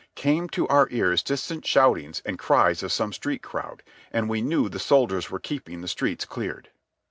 Came to our ears distant shoutings and cries of some street crowd, and we knew the soldiers were keeping the streets cleared.